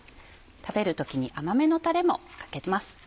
食べる時に甘めのたれもかけます。